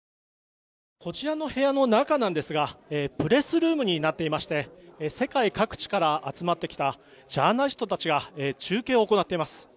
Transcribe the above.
こちらの部屋の中なんですがプレスルームになっていまして世界各地から集まってきたジャーナリストたちが中継を行っています。